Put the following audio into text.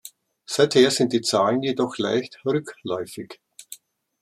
Seither sind die Zahlen jedoch leicht rückläufig.